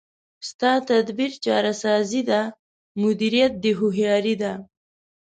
ستا تدبیر چاره سازي ده، مدیریت دی هوښیاري ده